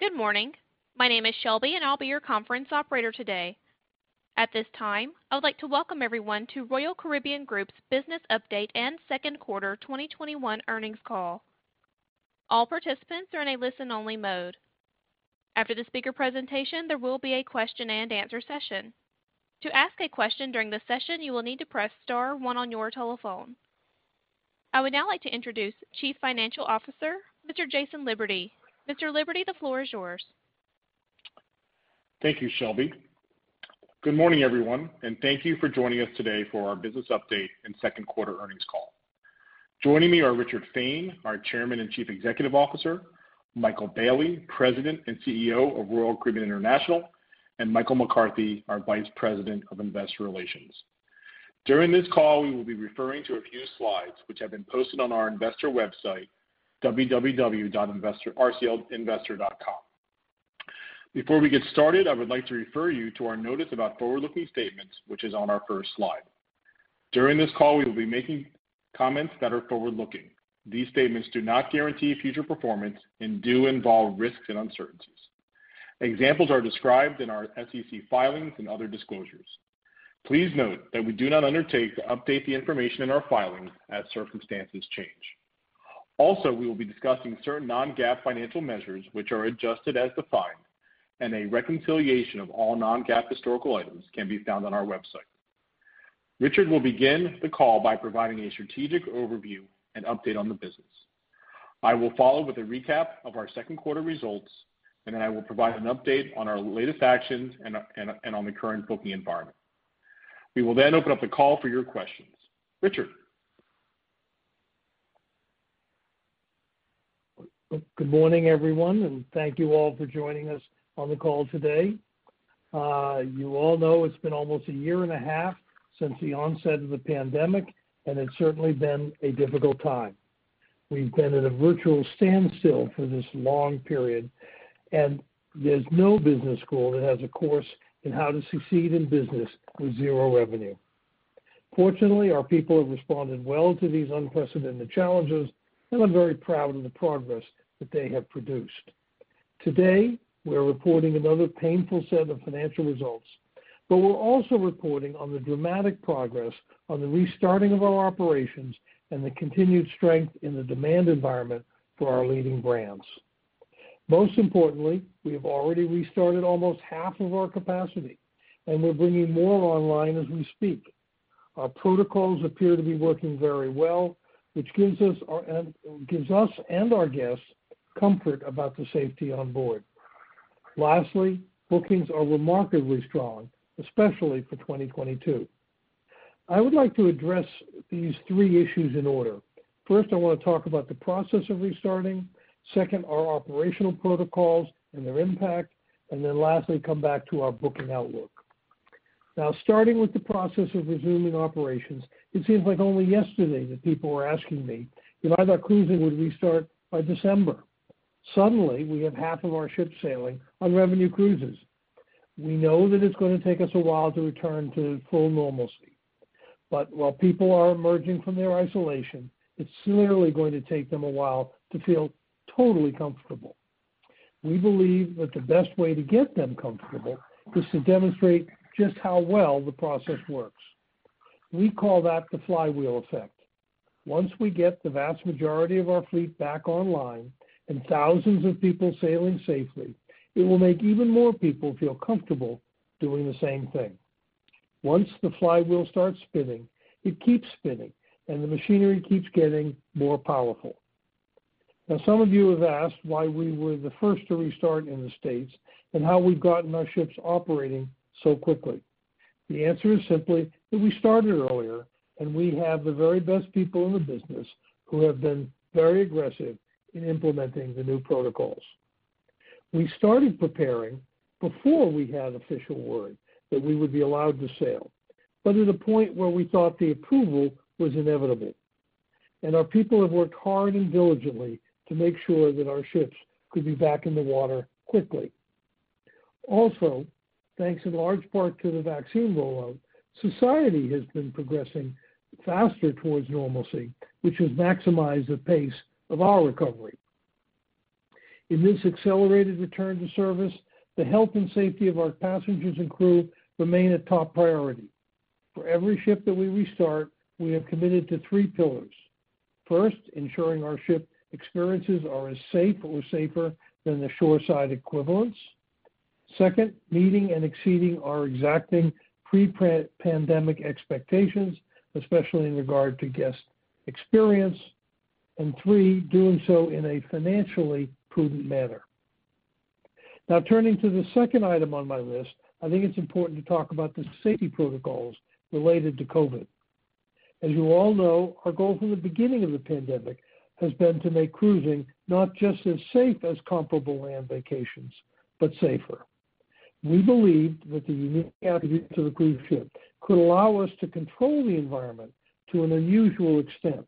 Good morning. My name is Shelby, and I'll be your conference operator today. At this time, I would like to welcome everyone to Royal Caribbean Group's business update and second quarter 2021 earnings call. All participants are in a listen-only mode. After the speaker presentation, there will be a question-and-answer session. To ask a question during the session you will need to press star one on your telephone. I would now like to introduce Chief Financial Officer, Mr. Jason Liberty. Mr. Liberty, the floor is yours. Thank you, Shelby. Good morning, everyone, and thank you for joining us today for our business update and second quarter earnings call. Joining me are Richard Fain, our Chairman and Chief Executive Officer, Michael Bayley, President and CEO of Royal Caribbean International, and Michael McCarthy, our Vice President of Investor Relations. During this call, we will be referring to a few slides which have been posted on our investor website, www.rclinvestor.com. Before we get started, I would like to refer you to our notice about forward-looking statements, which is on our first slide. During this call, we will be making comments that are forward-looking. These statements do not guarantee future performance and do involve risks and uncertainties. Examples are described in our SEC filings and other disclosures. Please note that we do not undertake to update the information in our filings as circumstances change. Also, we will be discussing certain non-GAAP financial measures which are adjusted as defined, and a reconciliation of all non-GAAP historical items can be found on our website. Richard will begin the call by providing a strategic overview and update on the business. I will follow with a recap of our second quarter results, and then I will provide an update on our latest actions and on the current booking environment. We will then open up the call for your questions. Richard? Good morning, everyone. Thank you all for joining us on the call today. You all know it's been almost a year and a half since the onset of the pandemic, and it's certainly been a difficult time. We've been at a virtual standstill for this long period, and there's no business school that has a course in how to succeed in business with zero revenue. Fortunately, our people have responded well to these unprecedented challenges, and I'm very proud of the progress that they have produced. Today, we are reporting another painful set of financial results, but we're also reporting on the dramatic progress on the restarting of our operations and the continued strength in the demand environment for our leading brands. Most importantly, we have already restarted almost half of our capacity, and we're bringing more online as we speak. Our protocols appear to be working very well, which gives us and our guests comfort about the safety on board. Lastly, bookings are remarkably strong, especially for 2022. I would like to address these three issues in order. First, I want to talk about the process of restarting, second, our operational protocols and their impact, and then lastly, come back to our booking outlook. Now, starting with the process of resuming operations, it seems like only yesterday that people were asking me if I thought cruising would restart by December. Suddenly, we have half of our ships sailing on revenue cruises. We know that it's going to take us a while to return to full normalcy, but while people are emerging from their isolation, it's clearly going to take them a while to feel totally comfortable. We believe that the best way to get them comfortable is to demonstrate just how well the process works. We call that the flywheel effect. Once we get the vast majority of our fleet back online and thousands of people sailing safely, it will make even more people feel comfortable doing the same thing. Once the flywheel starts spinning, it keeps spinning, and the machinery keeps getting more powerful. Now, some of you have asked why we were the first to restart in the States and how we've gotten our ships operating so quickly. The answer is simply that we started earlier, and we have the very best people in the business who have been very aggressive in implementing the new protocols. We started preparing before we had official word that we would be allowed to sail, but at a point where we thought the approval was inevitable. Our people have worked hard and diligently to make sure that our ships could be back in the water quickly. Also, thanks in large part to the vaccine rollout, society has been progressing faster towards normalcy, which has maximized the pace of our recovery. In this accelerated return to service, the health and safety of our passengers and crew remain a top priority. For every ship that we restart, we have committed to three pillars. First, ensuring our ship experiences are as safe or safer than the shoreside equivalents. Second, meeting and exceeding our exacting pre-pandemic expectations, especially in regard to guest experience, and three, doing so in a financially prudent manner. Now turning to the second item on my list, I think it's important to talk about the safety protocols related to COVID. As you all know, our goal from the beginning of the pandemic has been to make cruising not just as safe as comparable land vacations, but safer. We believed that the unique attributes of a cruise ship could allow us to control the environment to an unusual extent.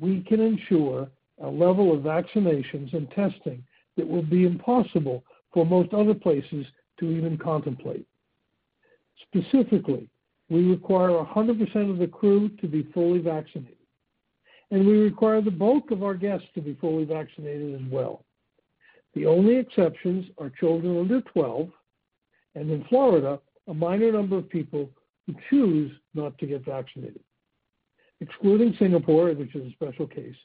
We can ensure a level of vaccinations and testing that would be impossible for most other places to even contemplate. Specifically, we require 100% of the crew to be fully vaccinated, and we require the bulk of our guests to be fully vaccinated and well. The only exceptions are children under 12 and, in Florida, a minor number of people who choose not to get vaccinated. Excluding Singapore, which is a special case,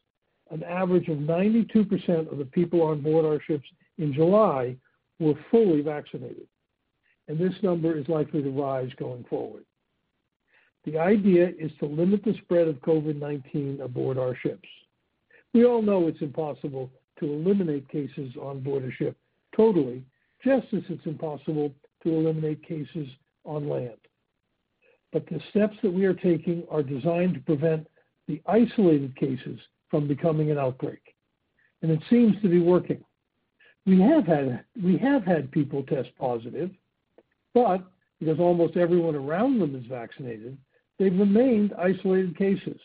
an average of 92% of the people on board our ships in July were fully vaccinated, and this number is likely to rise going forward. The idea is to limit the spread of COVID-19 aboard our ships. We all know it's impossible to eliminate cases on board a ship totally, just as it's impossible to eliminate cases on land. The steps that we are taking are designed to prevent the isolated cases from becoming an outbreak, and it seems to be working. We have had people test positive, but because almost everyone around them is vaccinated, they've remained isolated cases.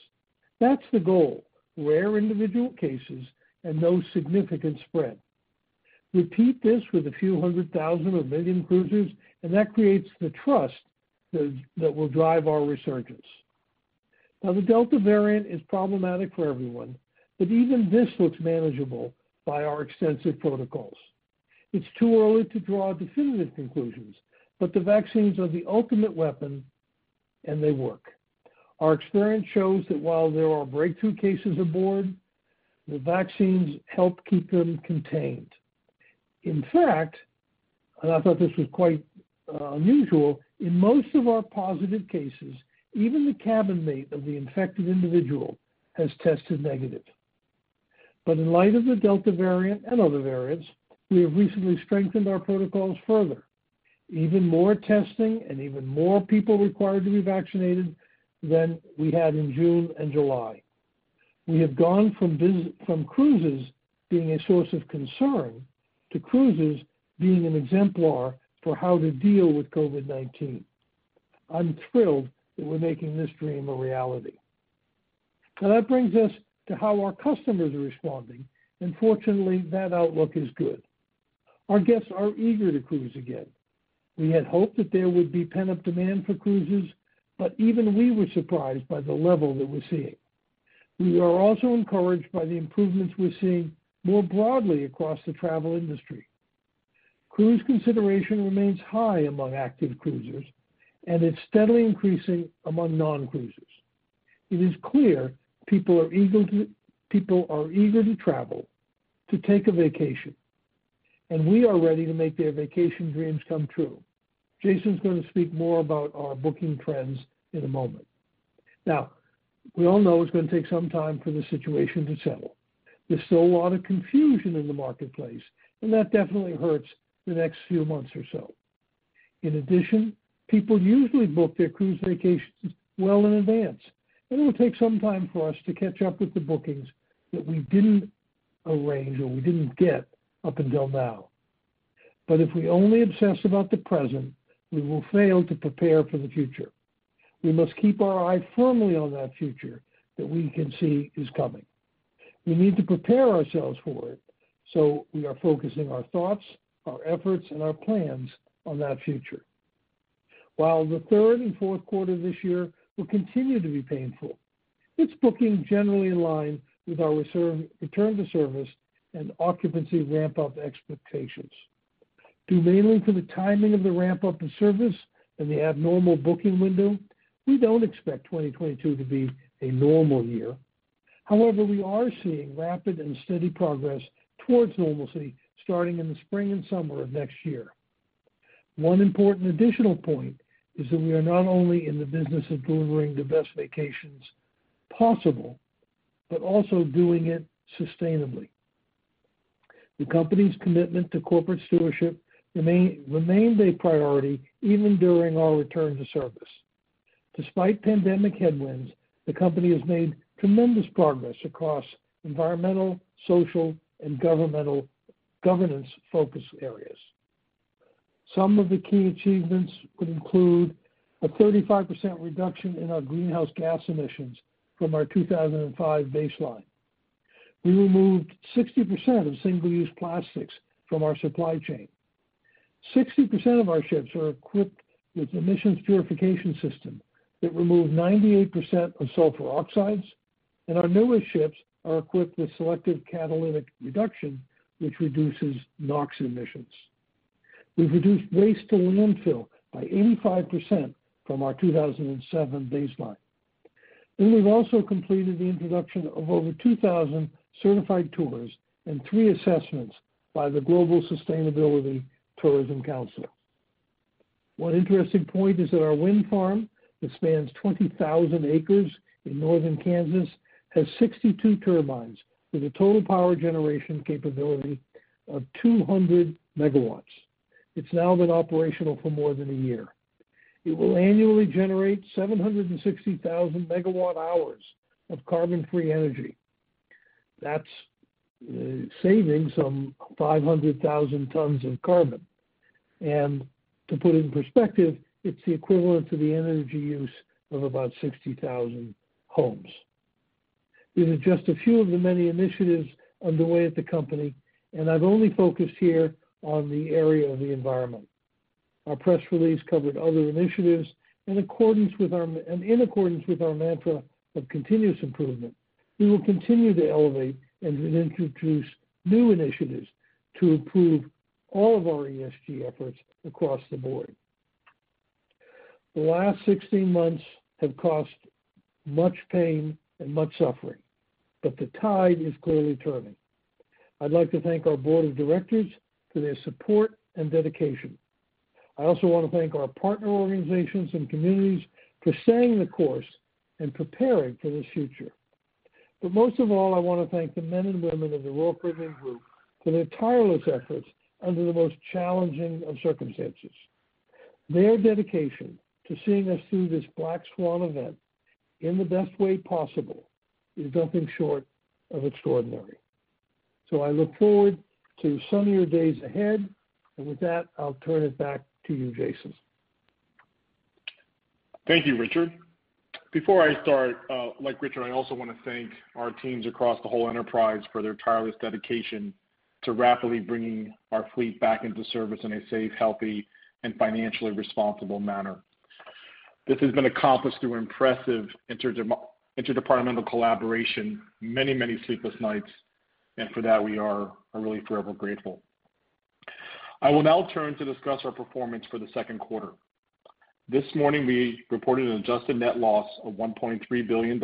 That's the goal, rare individual cases and no significant spread. Repeat this with a few hundred thousand or million cruisers, and that creates the trust that will drive our resurgence. Now, the Delta variant is problematic for everyone, but even this looks manageable by our extensive protocols. It's too early to draw definitive conclusions, but the vaccines are the ultimate weapon, and they work. Our experience shows that while there are breakthrough cases aboard, the vaccines help keep them contained. In fact, and I thought this was quite unusual, in most of our positive cases, even the cabinmate of the infected individual has tested negative. In light of the Delta variant and other variants, we have recently strengthened our protocols further, even more testing and even more people required to be vaccinated than we had in June and July. We have gone from cruises being a source of concern to cruises being an exemplar for how to deal with COVID-19. I'm thrilled that we're making this dream a reality. That brings us to how our customers are responding, and fortunately, that outlook is good. Our guests are eager to cruise again. We had hoped that there would be pent-up demand for cruises, but even we were surprised by the level that we're seeing. We are also encouraged by the improvements we're seeing more broadly across the travel industry. Cruise consideration remains high among active cruisers, and it's steadily increasing among non-cruisers. It is clear people are eager to travel to take a vacation, and we are ready to make their vacation dreams come true. Jason's going to speak more about our booking trends in a moment. We all know it's going to take some time for the situation to settle. There's still a lot of confusion in the marketplace, and that definitely hurts the next few months or so. In addition, people usually book their cruise vacations well in advance, and it will take some time for us to catch up with the bookings that we didn't arrange or we didn't get up until now. If we only obsess about the present, we will fail to prepare for the future. We must keep our eye firmly on that future that we can see is coming. We need to prepare ourselves for it, so we are focusing our thoughts, our efforts, and our plans on that future. While the third and fourth quarter this year will continue to be painful, it's booking generally in line with our return to service and occupancy ramp-up expectations. Due mainly to the timing of the ramp-up to service and the abnormal booking window, we don't expect 2022 to be a normal year. We are seeing rapid and steady progress towards normalcy starting in the spring and summer of next year. One important additional point is that we are not only in the business of delivering the best vacations possible, but also doing it sustainably. The company's commitment to corporate stewardship remained a priority even during our return to service. Despite pandemic headwinds, the company has made tremendous progress across environmental, social, and governance focus areas. Some of the key achievements would include a 35% reduction in our greenhouse gas emissions from our 2005 baseline. We removed 60% of single-use plastics from our supply chain. 60% of our ships are equipped with emissions purification system that remove 98% of sulfur oxides, and our newest ships are equipped with selective catalytic reduction, which reduces NOx emissions. We've reduced waste to landfill by 85% from our 2007 baseline. We have also completed the introduction of over 2,000 certified tours and three assessments by the Global Sustainable Tourism Council. One interesting point is that our wind farm that spans 20,000 acres in northern Kansas has 62 turbines with a total power generation capability of 200MW. It's now been operational for more than 1 year. It will annually generate 760,000 megawatt hours of carbon-free energy. That's saving some 500,000 tons of carbon. To put it in perspective, it's the equivalent to the energy use of about 60,000 homes. These are just a few of the many initiatives underway at the company, and I've only focused here on the area of the environment. Our press release covered other initiatives. In accordance with our mantra of continuous improvement, we will continue to elevate and introduce new initiatives to improve all of our ESG efforts across the board. The last 16 months have caused much pain and much suffering. The tide is clearly turning. I'd like to thank our board of directors for their support and dedication. I also want to thank our partner organizations and communities for staying the course and preparing for this future. Most of all, I want to thank the men and women of the Royal Caribbean Group for their tireless efforts under the most challenging of circumstances. Their dedication to seeing us through this black swan event in the best way possible is nothing short of extraordinary. I look forward to sunnier days ahead. With that, I'll turn it back to you, Jason. Thank you, Richard. Before I start, like Richard, I also want to thank our teams across the whole enterprise for their tireless dedication to rapidly bringing our fleet back into service in a safe, healthy, and financially responsible manner. This has been accomplished through impressive interdepartmental collaboration, many sleepless nights, and for that, we are really forever grateful. I will now turn to discuss our performance for the second quarter. This morning, we reported an adjusted net loss of $1.3 billion,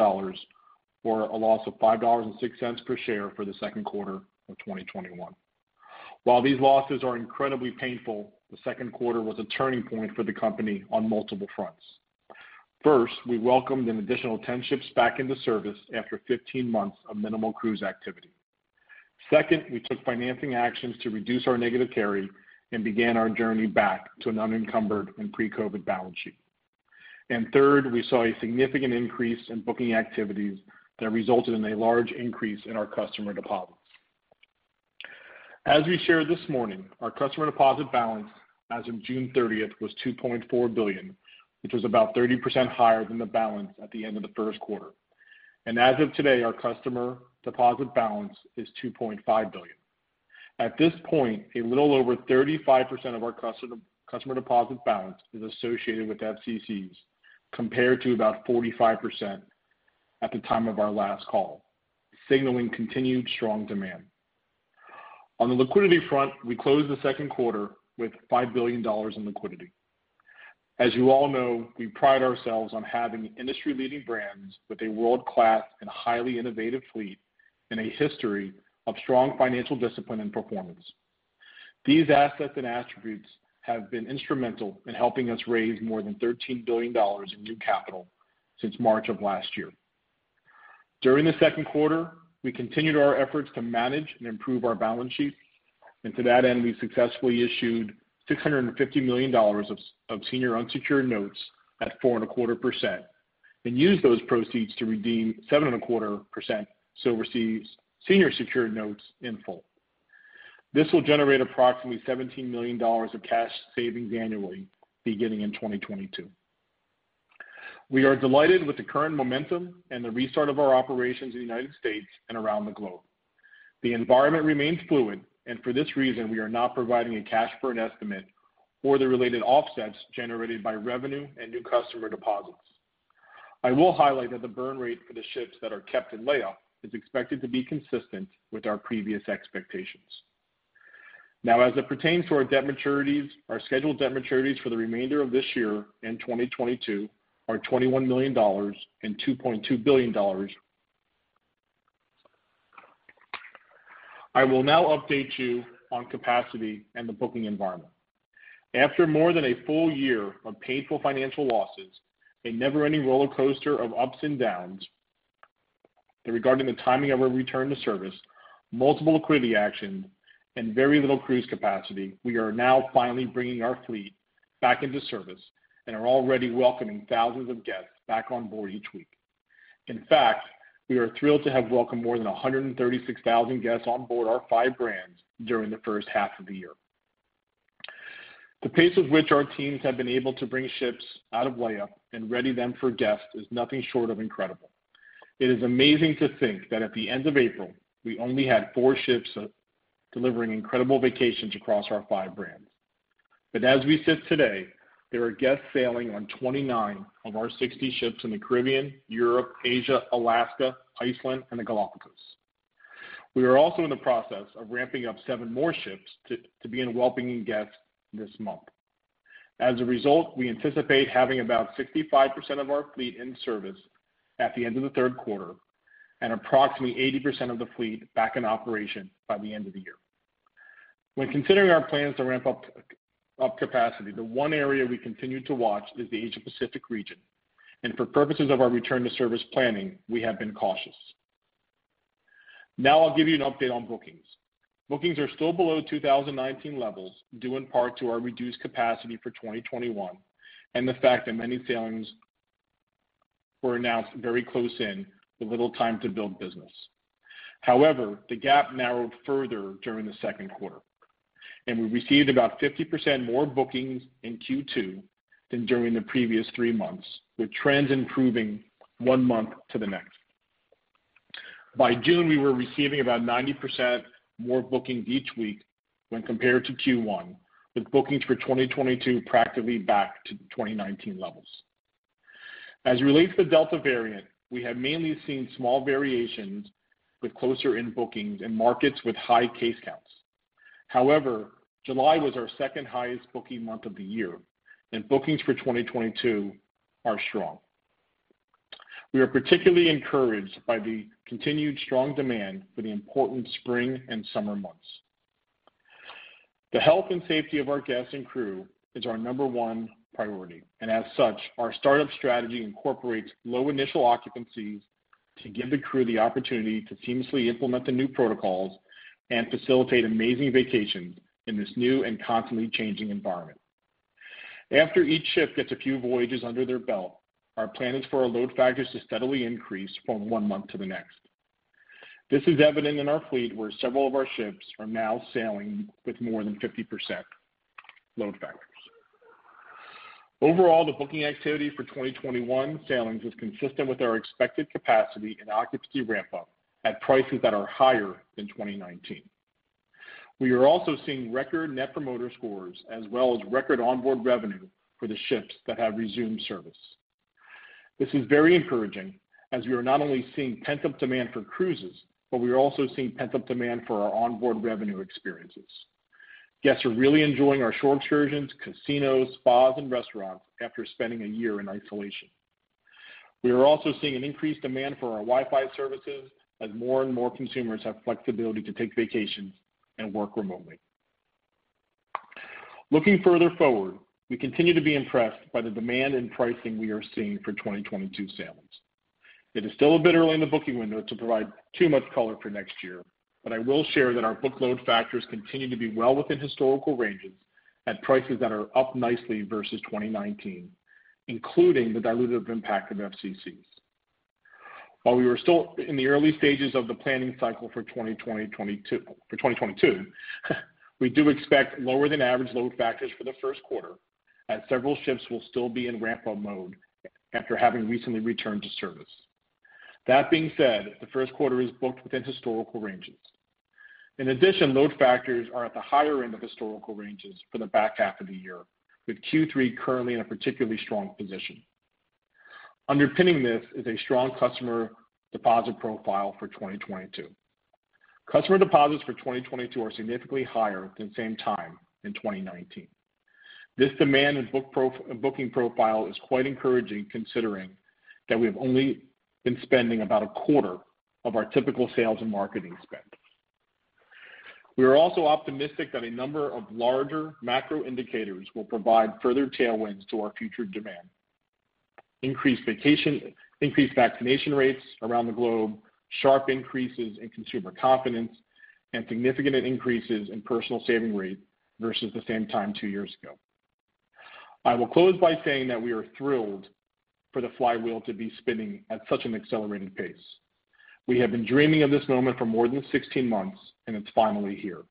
or a loss of $5.06 per share for the second quarter of 2021. While these losses are incredibly painful, the second quarter was a turning point for the company on multiple fronts. First, we welcomed an additional 10 ships back into service after 15 months of minimal cruise activity. Second, we took financing actions to reduce our negative carry and began our journey back to an unencumbered and pre-COVID balance sheet. Third, we saw a significant increase in booking activities that resulted in a large increase in our customer deposits. As we shared this morning, our customer deposit balance as of June 30th was $2.4 billion, which was about 30% higher than the balance at the end of the first quarter. As of today, our customer deposit balance is $2.5 billion. At this point, a little over 35% of our customer deposit balance is associated with FCCs, compared to about 45% at the time of our last call, signaling continued strong demand. On the liquidity front, we closed the second quarter with $5 billion in liquidity. As you all know, we pride ourselves on having industry-leading brands with a world-class and highly innovative fleet and a history of strong financial discipline and performance. These assets and attributes have been instrumental in helping us raise more than $13 billion in new capital since March of last year. During the second quarter, we continued our efforts to manage and improve our balance sheet, and to that end, we successfully issued $650 million of senior unsecured notes at 4.25% and used those proceeds to redeem 7.25% senior secured notes in full. This will generate approximately $17 million of cash savings annually, beginning in 2022. We are delighted with the current momentum and the restart of our operations in the United States and around the globe. The environment remains fluid, for this reason, we are not providing a cash burn estimate or the related offsets generated by revenue and new customer deposits. I will highlight that the burn rate for the ships that are kept in layup is expected to be consistent with our previous expectations. As it pertains to our debt maturities, our scheduled debt maturities for the remainder of this year and 2022 are $21 million and $2.2 billion. I will now update you on capacity and the booking environment. After more than a full year of painful financial losses, a never-ending rollercoaster of ups and downs regarding the timing of our return to service, multiple liquidity actions, and very little cruise capacity, we are now finally bringing our fleet back into service and are already welcoming thousands of guests back on board each week. In fact, we are thrilled to have welcomed more than 136,000 guests on board our five brands during the first half of the year. The pace at which our teams have been able to bring ships out of layup and ready them for guests is nothing short of incredible. It is amazing to think that at the end of April, we only had four ships delivering incredible vacations across our five brands. As we sit today, there are guests sailing on 29 of our 60 ships in the Caribbean, Europe, Asia, Alaska, Iceland, and the Galapagos. We are also in the process of ramping up seven more ships to begin welcoming guests this month. As a result, we anticipate having about 65% of our fleet in service at the end of the third quarter and approximately 80% of the fleet back in operation by the end of the year. When considering our plans to ramp up capacity, the one area we continue to watch is the Asia-Pacific region, and for purposes of our return to service planning, we have been cautious. Now I'll give you an update on bookings. Bookings are still below 2019 levels, due in part to our reduced capacity for 2021 and the fact that many sailings were announced very close in with little time to build business. However, the gap narrowed further during the second quarter, and we received about 50% more bookings in Q2 than during the previous three months, with trends improving one month to the next. By June, we were receiving about 90% more bookings each week when compared to Q1, with bookings for 2022 practically back to 2019 levels. As it relates to the Delta variant, we have mainly seen small variations with closer-in bookings in markets with high case counts. However, July was our second-highest booking month of the year, and bookings for 2022 are strong. We are particularly encouraged by the continued strong demand for the important spring and summer months. The health and safety of our guests and crew is our number one priority, and as such, our start-up strategy incorporates low initial occupancies to give the crew the opportunity to seamlessly implement the new protocols and facilitate amazing vacations in this new and constantly changing environment. After each ship gets a few voyages under their belt, our plan is for our load factors to steadily increase from one month to the next. This is evident in our fleet, where several of our ships are now sailing with more than 50% load factors. Overall, the booking activity for 2021 sailings is consistent with our expected capacity and occupancy ramp-up at prices that are higher than 2019. We are also seeing record Net Promoter Scores, as well as record onboard revenue for the ships that have resumed service. This is very encouraging, as we are not only seeing pent-up demand for cruises, but we are also seeing pent-up demand for our onboard revenue experiences. Guests are really enjoying our shore excursions, casinos, spas, and restaurants after spending a year in isolation. We are also seeing an increased demand for our Wi-Fi services as more and more consumers have flexibility to take vacations and work remotely. Looking further forward, we continue to be impressed by the demand and pricing we are seeing for 2022 sailings. It is still a bit early in the booking window to provide too much color for next year, but I will share that our booked load factors continue to be well within historical ranges at prices that are up nicely versus 2019, including the dilutive impact of FCCs. While we are still in the early stages of the planning cycle for 2022, we do expect lower-than-average load factors for the first quarter, as several ships will still be in ramp-up mode after having recently returned to service. That being said, the first quarter is booked within historical ranges. In addition, load factors are at the higher end of historical ranges for the back half of the year, with Q3 currently in a particularly strong position. Underpinning this is a strong customer deposit profile for 2022. Customer deposits for 2022 are significantly higher than same time in 2019. This demand and booking profile is quite encouraging, considering that we have only been spending about a quarter of our typical sales and marketing spend. We are also optimistic that a number of larger macro indicators will provide further tailwinds to our future demand: increased vaccination rates around the globe, sharp increases in consumer confidence, and significant increases in personal saving rate versus the same time two years ago. I will close by saying that we are thrilled for the flywheel to be spinning at such an accelerated pace. We have been dreaming of this moment for more than 16 months, and it's finally here.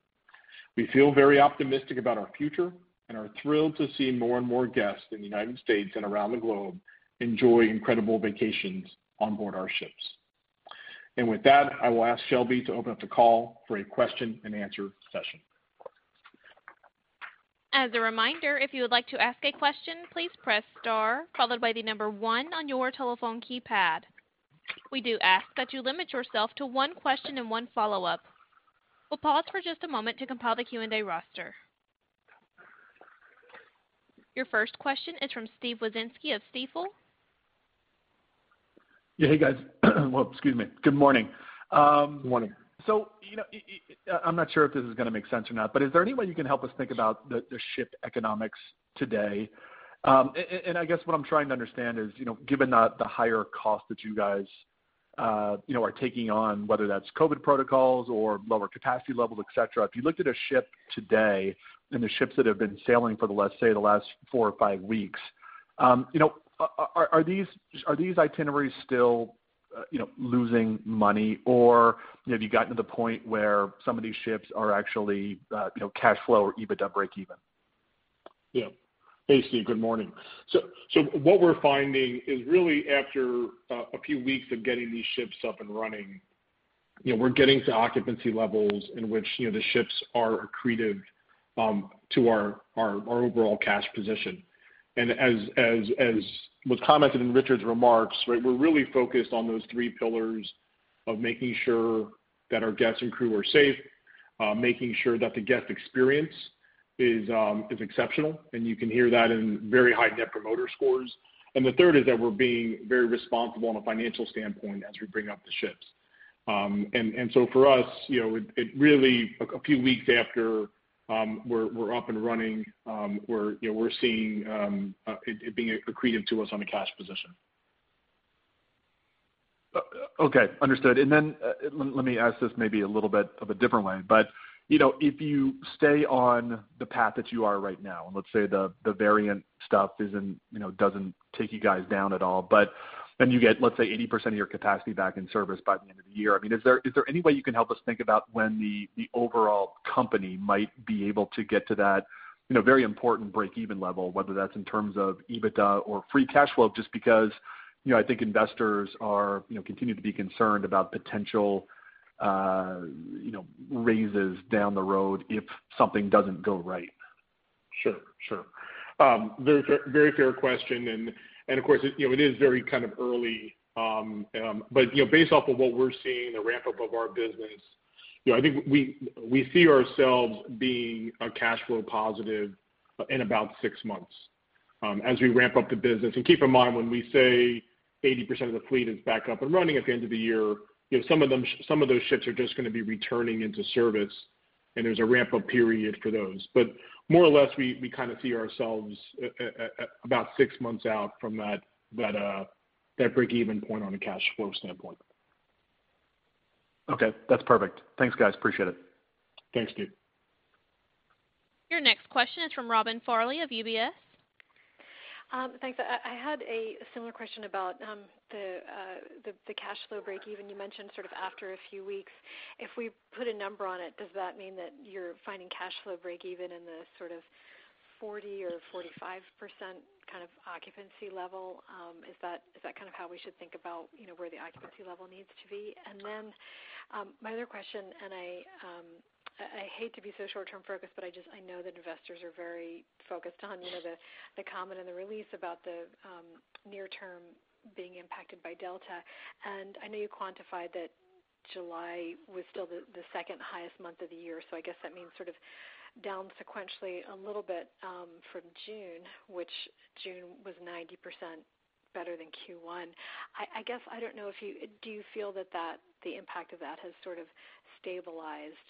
We feel very optimistic about our future and are thrilled to see more and more guests in the United States and around the globe enjoy incredible vacations onboard our ships. With that, I will ask Shelby to open up the call for a question-and-answer session. As a reminder, if you would like to ask a question, please press star followed by the number one on your telephone keypad. We do ask that you limit yourself to one question and one follow-up. We'll pause for just a moment to compile the Q&A roster. Your first question is from Steven Wieczynski of Stifel. Yeah. Hey, guys. Well, excuse me. Good morning. Good morning. I'm not sure if this is going to make sense or not. Is there any way you can help us think about the ship economics today? I guess what I'm trying to understand is, given the higher cost that you guys are taking on, whether that's COVID protocols or lower capacity levels, et cetera, if you looked at a ship today and the ships that have been sailing for, let's say, the last four or five weeks, are these itineraries still losing money, or have you gotten to the point where some of these ships are actually cash flow or EBITDA breakeven? Yeah. Hey, Steve. Good morning. What we're finding is really after a few weeks of getting these ships up and running, we're getting to occupancy levels in which the ships are accretive to our overall cash position. As was commented in Richard's remarks, we're really focused on those three pillars of making sure that our guests and crew are safe, making sure that the guest experience is exceptional, and you can hear that in very high net promoter scores. The third is that we're being very responsible on a financial standpoint as we bring up the ships. For us, really a few weeks after we're up and running, we're seeing it being accretive to us on a cash position. Okay. Understood. Then let me ask this maybe a little bit of a different way. If you stay on the path that you are right now, and let's say the variant stuff doesn't take you guys down at all, then you get, let's say, 80% of your capacity back in service by the end of the year. Is there any way you can help us think about when the overall company might be able to get to that very important breakeven level, whether that's in terms of EBITDA or free cash flow? Just because I think investors continue to be concerned about potential raises down the road if something doesn't go right. Sure. Very fair question. Of course, it is very early. Based off of what we're seeing, the ramp-up of our business, I think we see ourselves being cash flow positive in about six months as we ramp up the business. Keep in mind, when we say 80% of the fleet is back up and running at the end of the year, some of those ships are just going to be returning into service, and there's a ramp-up period for those. More or less, we see ourselves about six months out from that breakeven point on a cash flow standpoint. Okay, that's perfect. Thanks, guys. Appreciate it. Thanks, Steve. Your next question is from Robin Farley of UBS. Thanks. I had a similar question about the cash flow breakeven you mentioned after a few weeks. If we put a number on it, does that mean that you're finding cash flow breakeven in the 40% or 45% kind of occupancy level? Is that how we should think about where the occupancy level needs to be? My other question, and I hate to be so short-term focused, but I know that investors are very focused on the comment and the release about the near term being impacted by Delta. I know you quantified that July was still the second highest month of the year. I guess that means down sequentially a little bit from June, which June was 90% better than Q1. I guess I don't know if you feel that the impact of that has stabilized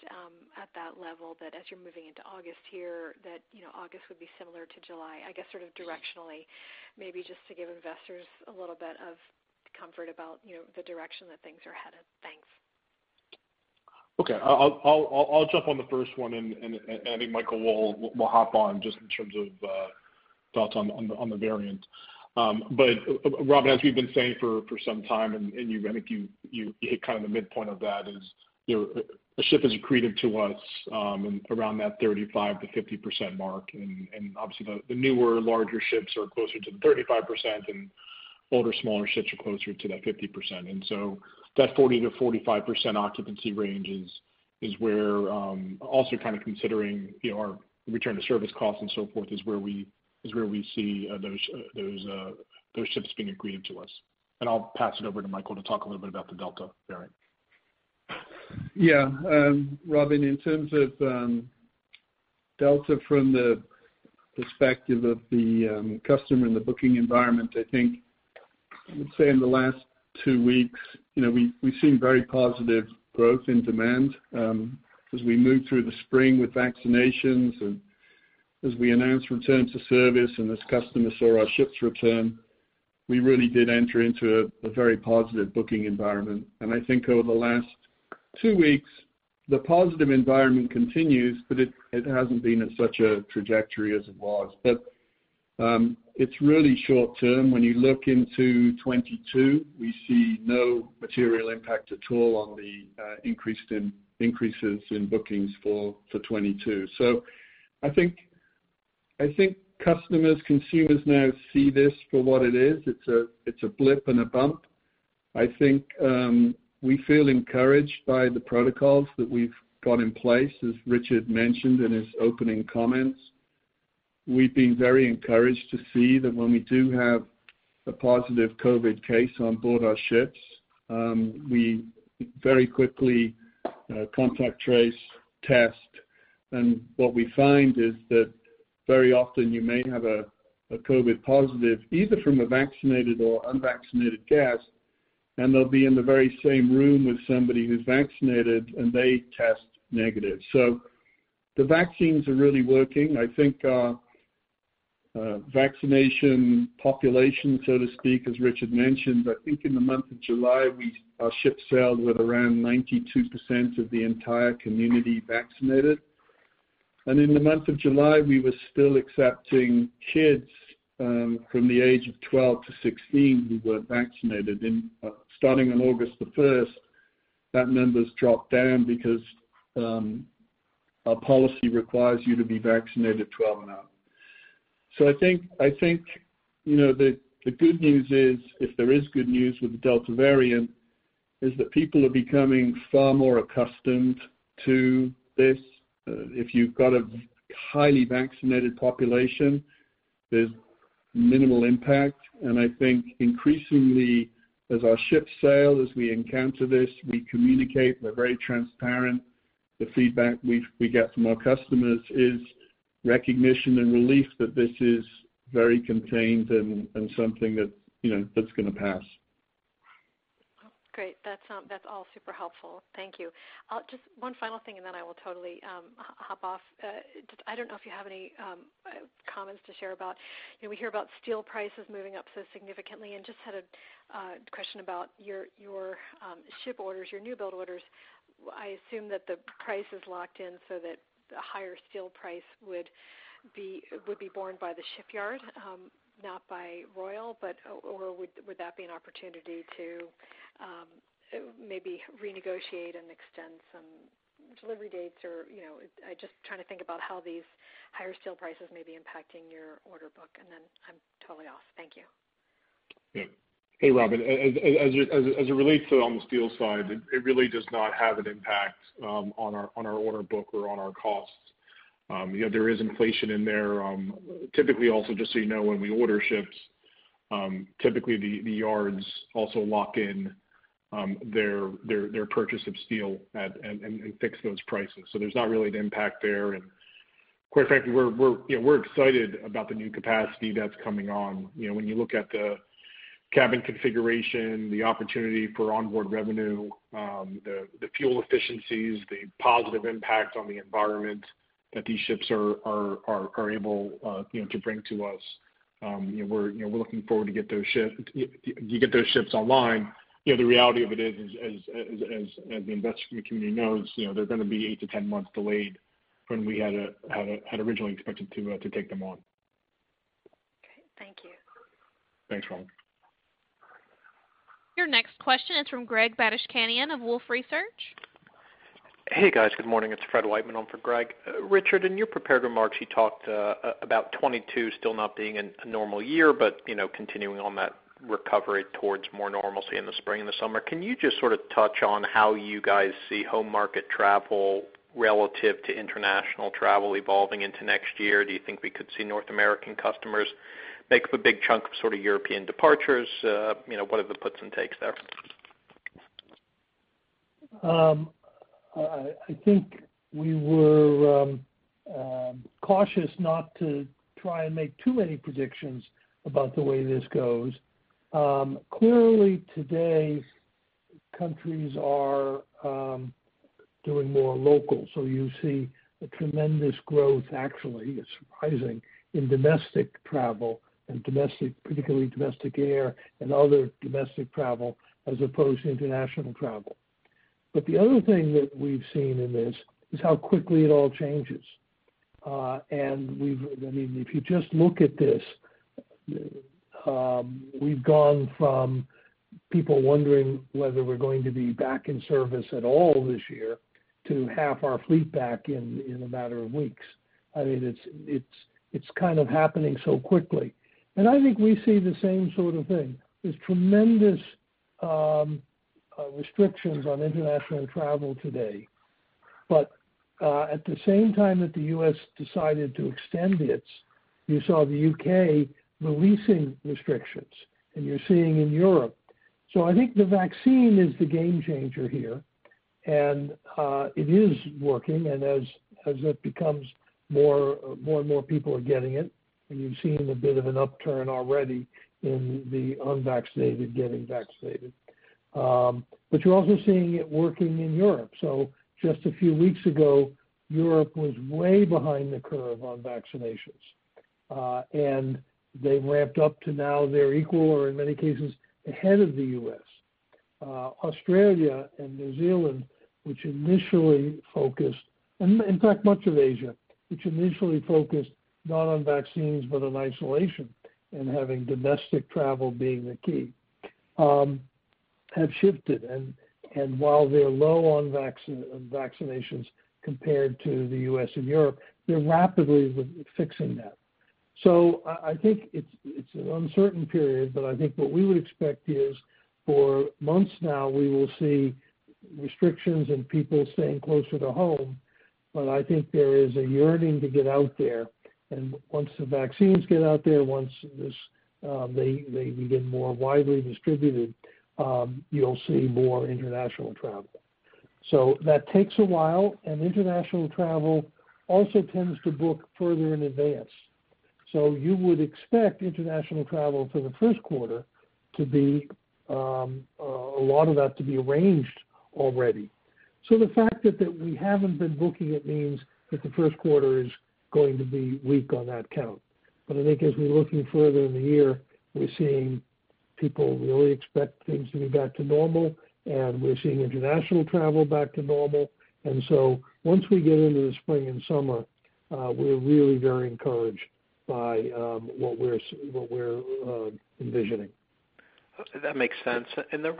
at that level, that as you're moving into August here, that August would be similar to July, I guess directionally, maybe just to give investors a little bit of comfort about the direction that things are headed? Thanks. Okay. I'll jump on the first one, and I think Michael will hop on just in terms of thoughts on the variant. Robin, as we've been saying for some time, and I think you hit the midpoint of that is, a ship is accretive to us around that 35%-50% mark. Obviously, the newer, larger ships are closer to the 35%, and older, smaller ships are closer to that 50%. That 40%-45% occupancy range is where also considering our return to service costs and so forth, is where we see those ships being accretive to us. I'll pass it over to Michael to talk a little bit about the Delta variant. Robin, in terms of Delta from the perspective of the customer and the booking environment, I think I would say in the last two weeks, we've seen very positive growth in demand as we move through the spring with vaccinations, and as we announce return to service, and as customers saw our ships return, we really did enter into a very positive booking environment. I think over the last two weeks, the positive environment continues, but it hasn't been at such a trajectory as it was. It's really short-term. When you look into 2022, we see no material impact at all on the increases in bookings for 2022. I think customers, consumers now see this for what it is. It's a blip and a bump. I think we feel encouraged by the protocols that we've got in place, as Richard mentioned in his opening comments. We've been very encouraged to see that when we do have a positive COVID case on board our ships, we very quickly contact trace, test, and what we find is that very often you may have a COVID positive, either from a vaccinated or unvaccinated guest, and they'll be in the very same room with somebody who's vaccinated, and they test negative. The vaccines are really working. I think vaccination population, so to speak, as Richard mentioned, I think in the month of July, our ship sailed with around 92% of the entire community vaccinated. In the month of July, we were still accepting kids from the age of 12 to 16 who weren't vaccinated. Starting on August the 1st, that number's dropped down because our policy requires you to be vaccinated 12 and up. I think, the good news is, if there is good news with the Delta variant, is that people are becoming far more accustomed to this. If you've got a highly vaccinated population, there's minimal impact, and I think increasingly, as our ships sail, as we encounter this, we communicate, we're very transparent. The feedback we get from our customers is recognition and relief that this is very contained and something that's going to pass. Great. That's all super helpful. Thank you. Just one final thing, then I will totally hop off. I don't know if you have any comments to share about, we hear about steel prices moving up so significantly, and just had a question about your ship orders, your new build orders. I assume that the price is locked in so that the higher steel price would be borne by the shipyard, not by Royal. Would that be an opportunity to maybe renegotiate and extend some delivery dates? I'm just trying to think about how these higher steel prices may be impacting your order book. Then I'm totally off. Thank you. Hey, Robin. As it relates to on the steel side, it really does not have an impact on our order book or on our costs. There is inflation in there. Typically, also, just so you know, when we order ships, typically the yards also lock in their purchase of steel and fix those prices. There's not really an impact there. Quite frankly, we're excited about the new capacity that's coming on. When you look at the cabin configuration, the opportunity for onboard revenue, the fuel efficiencies, the positive impact on the environment that these ships are able to bring to us. We're looking forward to get those ships online. The reality of it is, as the investment community knows, they're going to be 8 to 10 months delayed from when we had originally expected to take them on. Okay. Thank you. Thanks, Robin. Your next question is from Greg Badishkanian of Wolfe Research. Hey, guys. Good morning. It's Fred Wightman on for Greg. Richard, in your prepared remarks, you talked about 2022 still not being a normal year but continuing on that recovery towards more normalcy in the spring and the summer. Can you just sort of touch on how you guys see home market travel relative to international travel evolving into next year? Do you think we could see North American customers make up a big chunk of sort of European departures? What are the puts and takes there? I think we were cautious not to try and make too many predictions about the way this goes. Clearly today, countries are doing more local. You see a tremendous growth, actually, it's surprising, in domestic travel and particularly domestic air and other domestic travel as opposed to international travel. The other thing that we've seen in this is how quickly it all changes. If you just look at this, we've gone from people wondering whether we're going to be back in service at all this year to half our fleet back in a matter of weeks. It's kind of happening so quickly. I think we see the same sort of thing. There's tremendous restrictions on international travel today. At the same time that the U.S. decided to extend its, you saw the U.K. releasing restrictions, and you're seeing in Europe. I think the vaccine is the game changer here, and it is working. As it becomes more and more people are getting it, and you've seen a bit of an upturn already in the unvaccinated getting vaccinated. You're also seeing it working in Europe. Just a few weeks ago, Europe was way behind the curve on vaccinations. They've ramped up to now they're equal or in many cases ahead of the U.S. Australia and New Zealand, which initially focused, and in fact much of Asia, which initially focused not on vaccines, but on isolation and having domestic travel being the key, have shifted. While they're low on vaccinations compared to the U.S. and Europe, they're rapidly fixing that. I think it's an uncertain period, but I think what we would expect is for months now, we will see restrictions and people staying closer to home. I think there is a yearning to get out there. Once the vaccines get out there, once they begin more widely distributed, you'll see more international travel. That takes a while, and international travel also tends to book further in advance. You would expect international travel for the first quarter, a lot of that to be arranged already. The fact that we haven't been booking it means that the first quarter is going to be weak on that count. I think as we're looking further in the year, we're seeing people really expect things to be back to normal, and we're seeing international travel back to normal. Once we get into the spring and summer, we're really very encouraged by what we're envisioning. That makes sense. There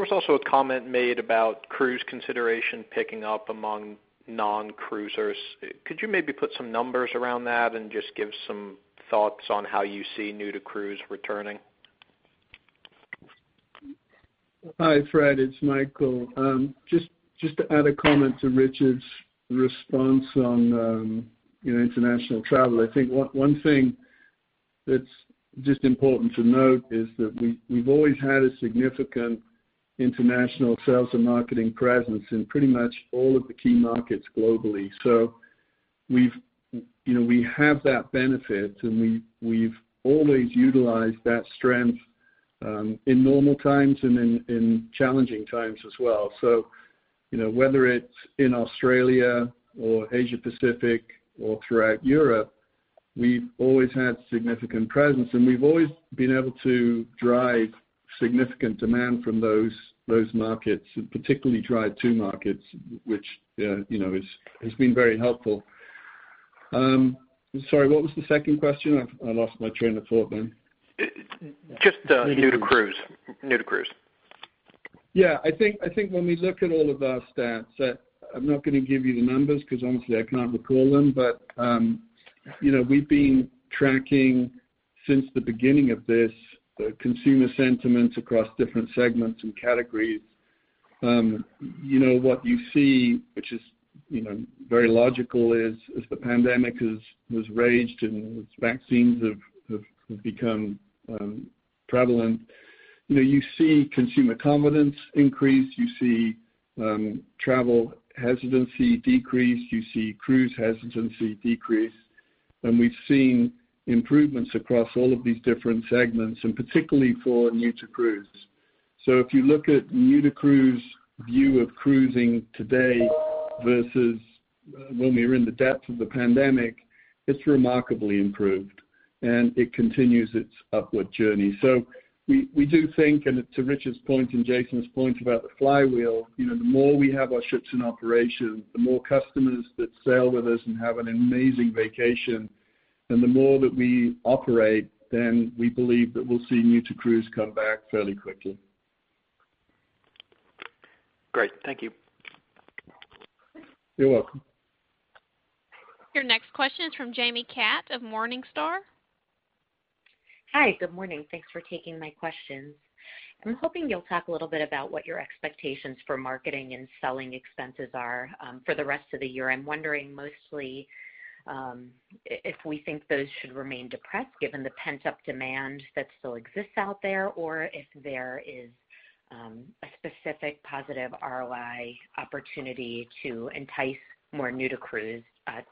was also a comment made about cruise consideration picking up among non-cruisers. Could you maybe put some numbers around that and just give some thoughts on how you see new-to-cruise returning? Hi, Fred. It's Michael. Just to add a comment to Richard's response on international travel. I think one thing that's just important to note is that we've always had a significant international sales and marketing presence in pretty much all of the key markets globally. We have that benefit, and we've always utilized that strength in normal times and in challenging times as well. Whether it's in Australia, or Asia-Pacific, or throughout Europe, we've always had significant presence, and we've always been able to drive significant demand from those markets, and particularly drive-to markets, which has been very helpful. Sorry, what was the second question? I lost my train of thought then. Just new-to-cruise. I think when we look at all of our stats, I'm not going to give you the numbers because honestly, I can't recall them. We've been tracking since the beginning of this, the consumer sentiments across different segments and categories. What you see, which is very logical is, as the pandemic has raged and as vaccines have become prevalent, you see consumer confidence increase, you see travel hesitancy decrease, you see cruise hesitancy decrease. We've seen improvements across all of these different segments, and particularly for new to cruise. If you look at new to cruise view of cruising today versus when we were in the depth of the pandemic, it's remarkably improved, and it continues its upward journey. We do think, and to Richard's point and Jason's point about the flywheel, the more we have our ships in operation, the more customers that sail with us and have an amazing vacation, and the more that we operate, then we believe that we'll see new to cruise come back fairly quickly. Great. Thank you. You're welcome. Your next question is from Jaime Katz of Morningstar. Hi. Good morning. Thanks for taking my questions. I'm hoping you'll talk a little bit about what your expectations for marketing and selling expenses are for the rest of the year. I'm wondering mostly if we think those should remain depressed given the pent-up demand that still exists out there, or if there is a specific positive ROI opportunity to entice more new to cruise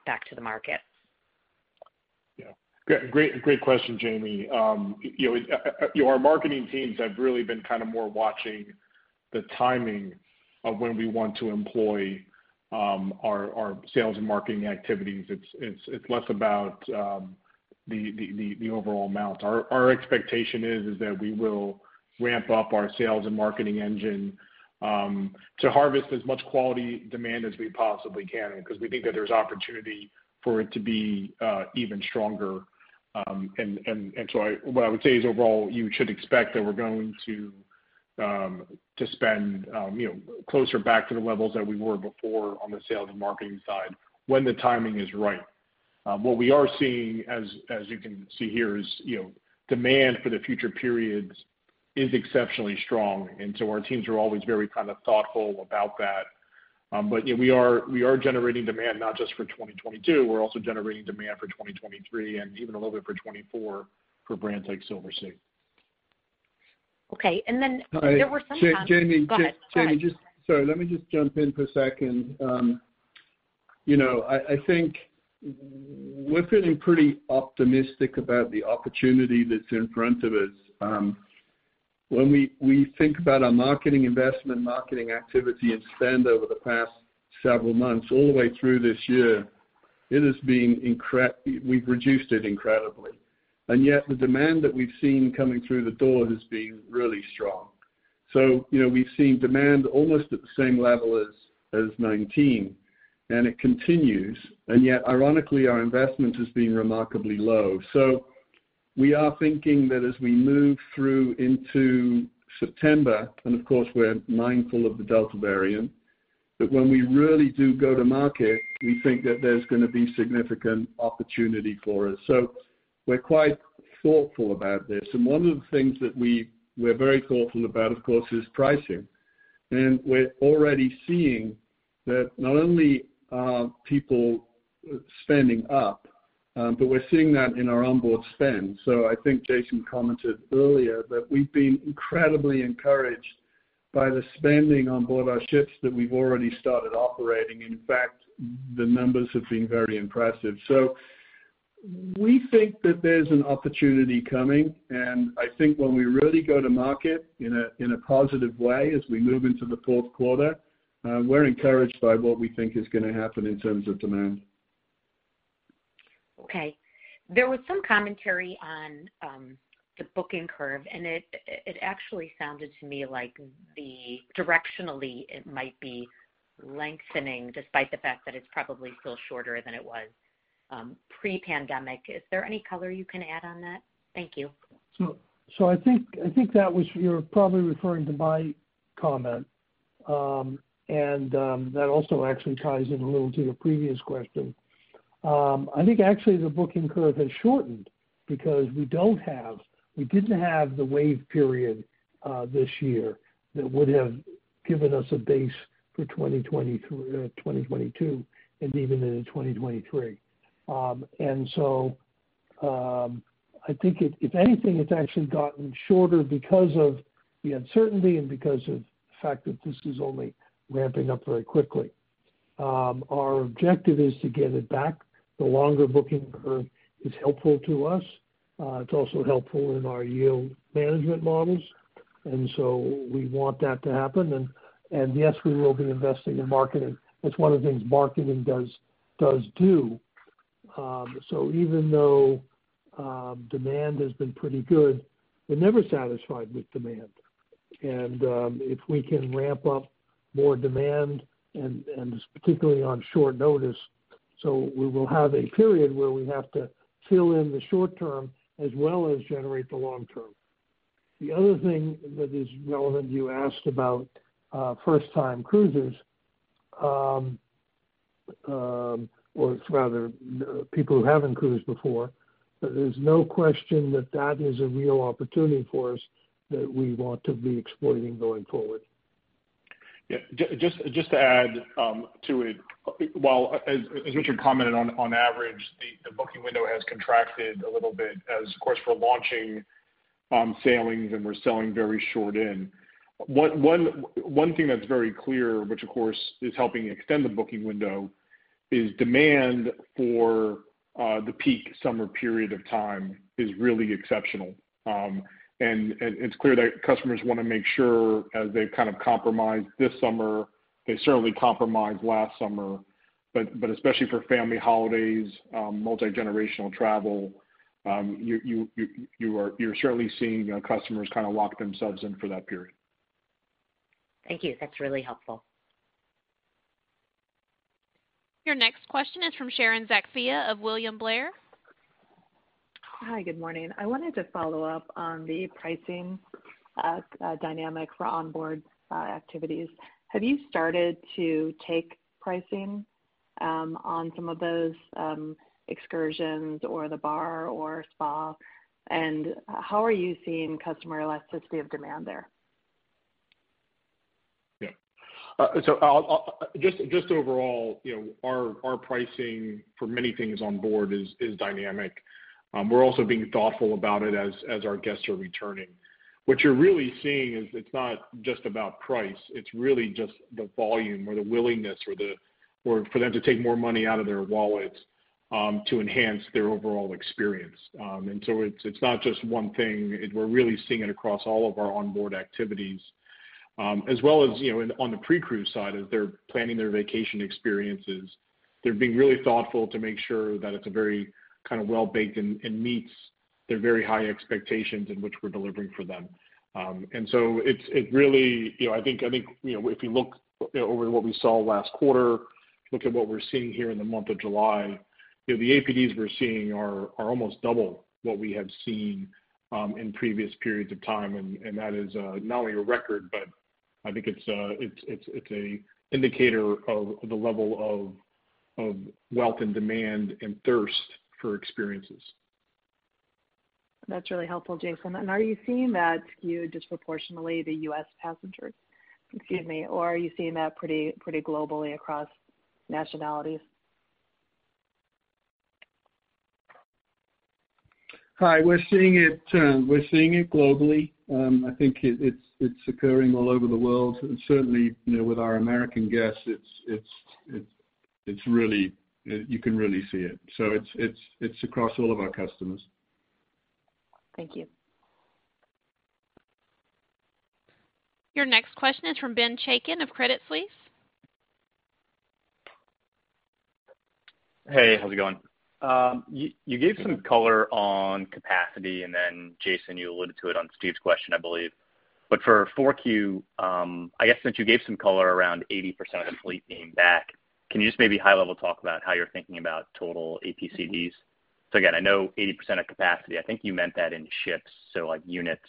back to the market? Yeah. Great question, Jaime. Our marketing teams have really been more watching the timing of when we want to employ our sales and marketing activities. It's less about the overall amount. Our expectation is that we will ramp up our sales and marketing engine to harvest as much quality demand as we possibly can because we think that there's opportunity for it to be even stronger. What I would say is overall, you should expect that we're going to spend closer back to the levels that we were before on the sales and marketing side when the timing is right. What we are seeing as you can see here is, demand for the future periods is exceptionally strong, and so our teams are always very thoughtful about that. We are generating demand not just for 2022, we're also generating demand for 2023, and even a little bit for 2024 for brands like Silversea. Okay. Jaime- Go ahead. Sorry. Jaime, sorry, let me just jump in for a second. I think we're feeling pretty optimistic about the opportunity that's in front of us. When we think about our marketing investment, marketing activity, and spend over the past several months all the way through this year, we've reduced it incredibly. Yet the demand that we've seen coming through the door has been really strong. We've seen demand almost at the same level as 2019, and it continues, and yet ironically, our investment has been remarkably low. We are thinking that as we move through into September, and of course, we're mindful of the Delta variant, but when we really do go to market, we think that there's going to be significant opportunity for us. We're quite thoughtful about this. One of the things that we're very thoughtful about, of course, is pricing. We're already seeing that not only are people spending up, but we're seeing that in our onboard spend. I think Jason commented earlier that we've been incredibly encouraged by the spending on board our ships that we've already started operating. In fact, the numbers have been very impressive. We think that there's an opportunity coming, and I think when we really go to market in a positive way as we move into the fourth quarter, we're encouraged by what we think is going to happen in terms of demand. Okay. There was some commentary on the booking curve. It actually sounded to me like directionally it might be lengthening, despite the fact that it's probably still shorter than it was pre-pandemic. Is there any color you can add on that? Thank you. I think that you're probably referring to my comment. That also actually ties in a little to your previous question. I think actually the booking curve has shortened because we didn't have the wave period this year that would have given us a base for 2022 and even into 2023. I think if anything, it's actually gotten shorter because of the uncertainty and because of the fact that this is only ramping up very quickly. Our objective is to get it back. The longer booking curve is helpful to us. It's also helpful in our yield management models. We want that to happen. Yes, we will be investing in marketing. That's one of the things marketing does do. Even though demand has been pretty good, we're never satisfied with demand. If we can ramp up more demand, and particularly on short notice. We will have a period where we have to fill in the short term as well as generate the long term. The other thing that is relevant, you asked about first-time cruisers, or rather people who haven't cruised before. There's no question that is a real opportunity for us that we want to be exploiting going forward. Yeah. Just to add to it, while, as Richard commented on average, the booking window has contracted a little bit as, of course, we're launching sailings and we're selling very short in. One thing that's very clear, which of course is helping extend the booking window, is demand for the peak summer period of time is really exceptional. It's clear that customers want to make sure as they've kind of compromised this summer, they certainly compromised last summer. Especially for family holidays, multi-generational travel, you're certainly seeing customers lock themselves in for that period. Thank you. That's really helpful. Your next question is from Sharon Zackfia of William Blair. Hi, good morning. I wanted to follow up on the pricing dynamic for onboard activities. Have you started to take pricing on some of those excursions or the bar or spa, and how are you seeing customer elasticity of demand there? Yeah. Just overall, our pricing for many things on board is dynamic. We're also being thoughtful about it as our guests are returning. What you're really seeing is it's not just about price, it's really just the volume or the willingness for them to take more money out of their wallets to enhance their overall experience. It's not just one thing. We're really seeing it across all of our onboard activities. As well as on the pre-cruise side, as they're planning their vacation experiences, they're being really thoughtful to make sure that it's very well-baked and meets their very high expectations in which we're delivering for them. I think if you look over what we saw last quarter, look at what we're seeing here in the month of July, the APD we're seeing are almost double what we have seen in previous periods of time. That is not only a record, but I think it's a indicator of the level of wealth and demand and thirst for experiences. That's really helpful, Jason. Are you seeing that skewed disproportionally the U.S. passengers? Excuse me. Are you seeing that pretty globally across nationalities? Hi. We're seeing it globally. I think it's occurring all over the world. Certainly, with our American guests, you can really see it. It's across all of our customers. Thank you. Your next question is from Ben Chaiken of Credit Suisse. Hey, how's it going? You gave some color on capacity, then Jason, you alluded to it on Steven's question, I believe. For 4Q, I guess since you gave some color around 80% of the fleet being back, can you just maybe high level talk about how you're thinking about total APCD? Again, I know 80% of capacity, I think you meant that in ships, so like units.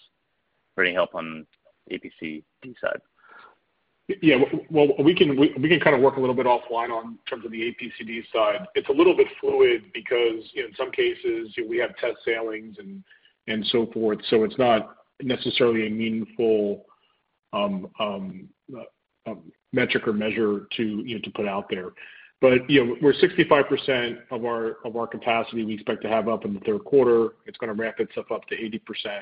Any help on the APCD side? Yeah. Well, we can kind of work a little bit offline in terms of the APCD side. It's a little bit fluid because in some cases, we have test sailings and so forth, so it's not necessarily a meaningful metric or measure to put out there. We're 65% of our capacity we expect to have up in the third quarter. It's going to ramp itself up to 80%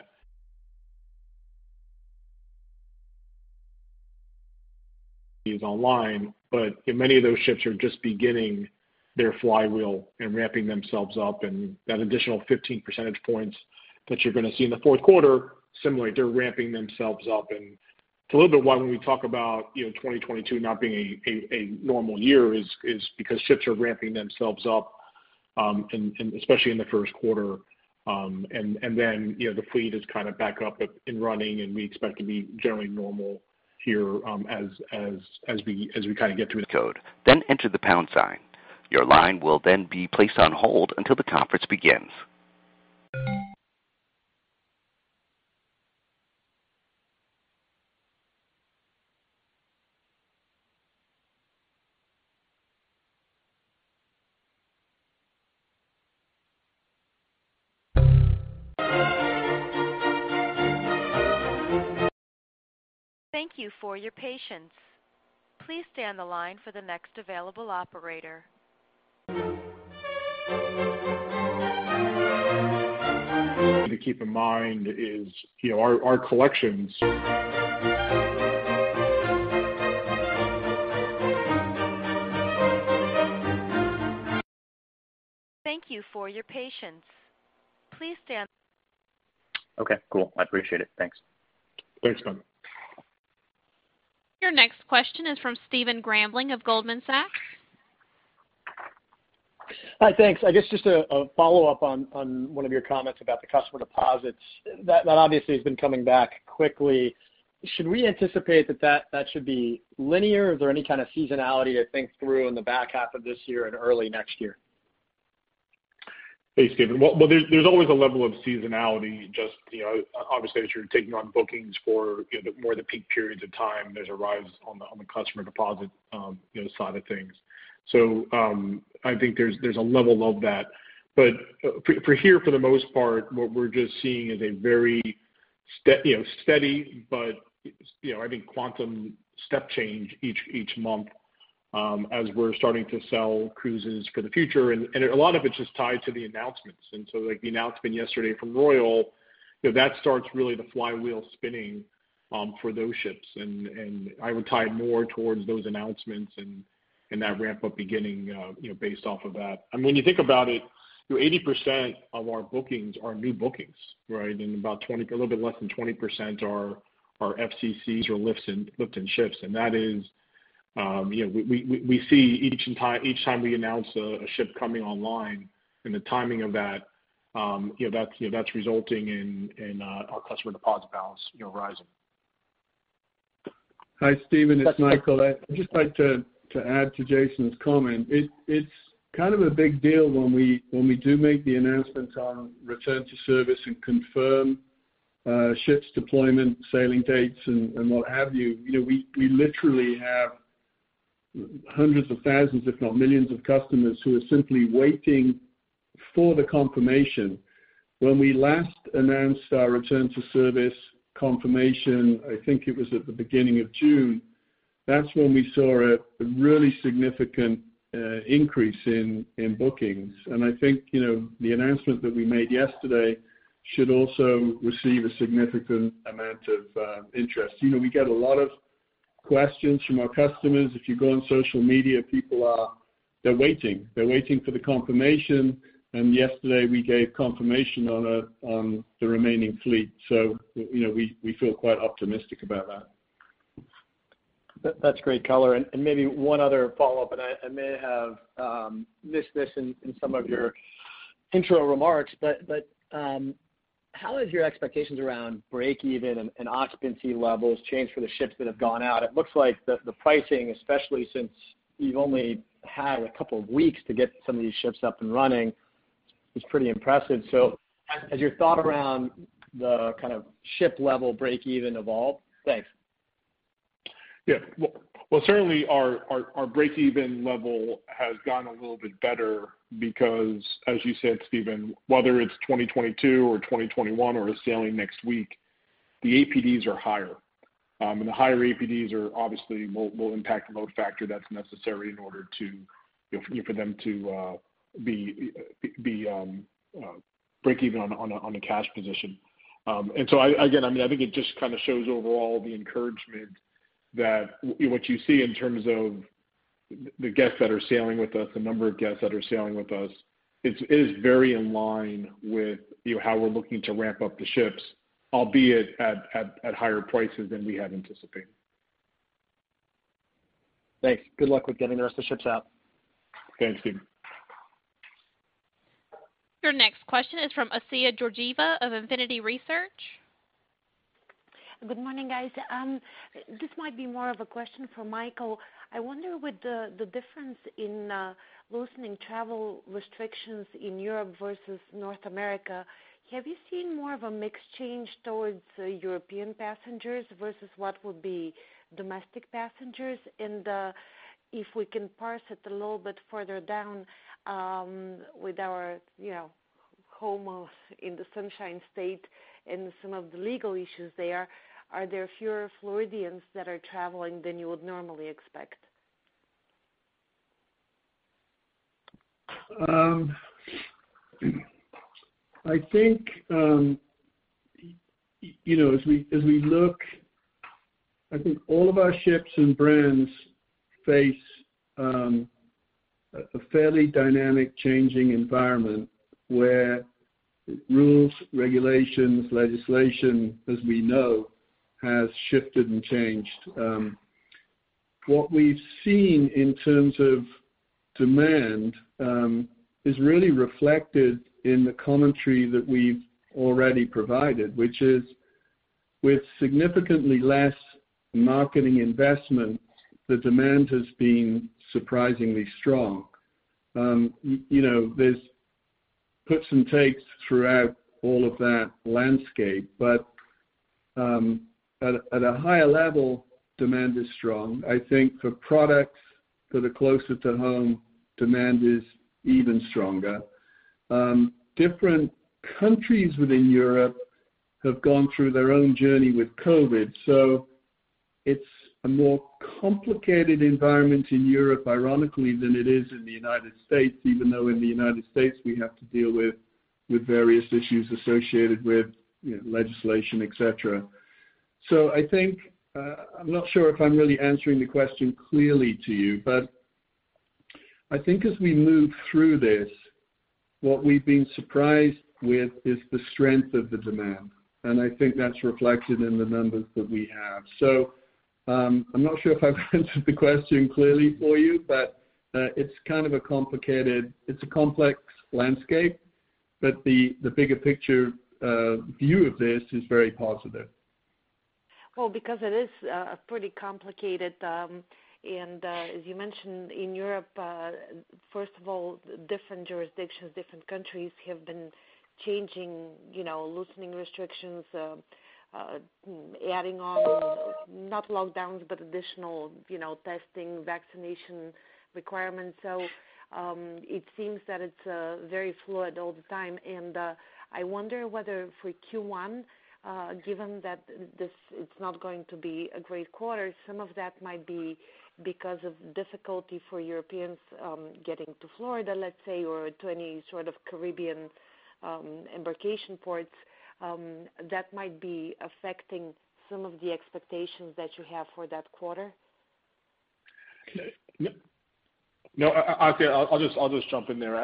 is online. Many of those ships are just beginning their flywheel and ramping themselves up, and that additional 15 percentage points that you're going to see in the fourth quarter, similarly, they're ramping themselves up. It's a little bit why when we talk about 2022 not being a normal year is because ships are ramping themselves up, especially in the first quarter. The fleet is kind of back up and running, and we expect to be generally normal here as we kind of get - to keep in mind is our collections. Okay, cool. I appreciate it, thanks. Thanks, Ben. Your next question is from Stephen Grambling of Goldman Sachs. Hi, thanks. I guess just a follow-up on one of your comments about the customer deposits. That obviously has been coming back quickly. Should we anticipate that should be linear, or is there any kind of seasonality to think through in the back half of this year and early next year? Hey, Stephen. There's always a level of seasonality, just obviously as you're taking on bookings for more the peak periods of time, there's a rise on the customer deposit side of things. I think there's a level of that. For here, for the most part, what we're just seeing is a very steady, but I think quantum step change each month as we're starting to sell cruises for the future, and a lot of it's just tied to the announcements. Like the announcement yesterday from Royal, that starts really the flywheel spinning for those ships, and I would tie it more towards those announcements and that ramp-up beginning based off of that. I mean, when you think about it, 80% of our bookings are new bookings. Right? A little bit less than 20% are FCCs or lift and shifts. We see each time we announce a ship coming online and the timing of that's resulting in our customer deposit balance rising. Hi, Stephen, it's Michael. I'd just like to add to Jason's comment. It's kind of a big deal when we do make the announcements on return to service and confirm ships deployment, sailing dates, and what have you. We literally have hundreds of thousands, if not millions of customers who are simply waiting for the confirmation. When we last announced our return to service confirmation, I think it was at the beginning of June. That's when we saw a really significant increase in bookings. I think, the announcement that we made yesterday should also receive a significant amount of interest. We get a lot of questions from our customers. If you go on social media, people are waiting. They're waiting for the confirmation, and yesterday we gave confirmation on the remaining fleet. We feel quite optimistic about that. That's great color. Maybe one other follow-up, and I may have missed this in some of your intro remarks, but how has your expectations around breakeven and occupancy levels changed for the ships that have gone out? It looks like the pricing, especially since you've only had a couple of weeks to get some of these ships up and running, is pretty impressive. Has your thought around the kind of ship level breakeven evolved? Thanks. Yeah. Well, certainly our breakeven level has gotten a little bit better because, as you said, Stephen, whether it's 2022 or 2021 or sailing next week, the APDs are higher. The higher APDs obviously will impact the load factor that's necessary in order for them to break even on a cash position. Again, I think it just kind of shows overall the encouragement that what you see in terms of the guests that are sailing with us, the number of guests that are sailing with us. It is very in line with how we're looking to ramp up the ships, albeit at higher prices than we had anticipated. Thanks. Good luck with getting the rest of the ships out. Thanks, Stephen. Your next question is from Assia Georgieva of Infinity Research. Good morning, guys. This might be more of a question for Michael. I wonder with the difference in loosening travel restrictions in Europe versus North America, have you seen more of a mixed change towards European passengers versus what would be domestic passengers? If we can parse it a little bit further down, with our home in the Sunshine State and some of the legal issues there, are there fewer Floridians that are traveling than you would normally expect? I think all of our ships and brands face a fairly dynamic changing environment where rules, regulations, legislation, as we know, has shifted and changed. What we've seen in terms of demand is really reflected in the commentary that we've already provided, which is with significantly less marketing investment, the demand has been surprisingly strong. There's puts and takes throughout all of that landscape, but at a higher level, demand is strong. I think for products that are closer to home, demand is even stronger. Different countries within Europe have gone through their own journey with COVID, so it's a more complicated environment in Europe, ironically, than it is in the United States, even though in the United States we have to deal with various issues associated with legislation, et cetera. I'm not sure if I'm really answering the question clearly to you, but I think as we move through this, what we've been surprised with is the strength of the demand, I think that's reflected in the numbers that we have. I'm not sure if I've answered the question clearly for you, but it's a complex landscape. The bigger picture view of this is very positive. Well, because it is pretty complicated. As you mentioned, in Europe, first of all, different jurisdictions, different countries have been changing, loosening restrictions, adding on, not lockdowns, but additional testing, vaccination requirements. It seems that it's very fluid all the time, and I wonder whether for Q1, given that it's not going to be a great quarter, some of that might be because of difficulty for Europeans getting to Florida, let's say, or to any sort of Caribbean embarkation ports that might be affecting some of the expectations that you have for that quarter. No. Assia, I'll just jump in there.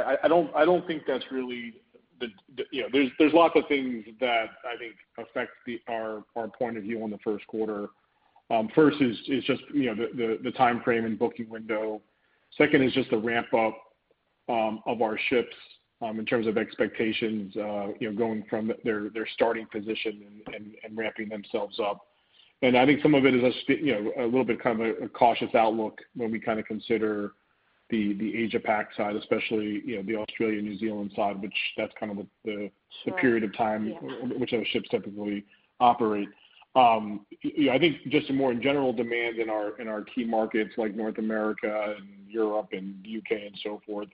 There's lots of things that I think affect our point of view on the first quarter. First is just the timeframe and booking window. Second is just the ramp-up of our ships, in terms of expectations, going from their starting position and ramping themselves up. I think some of it is a little bit kind of a cautious outlook when we kind of consider the Asia Pac side, especially the Australia-New Zealand side, which that's kind of the period of time which our ships typically operate. I think just a more in general demand in our key markets like North America, and Europe, and U.K., and so forth.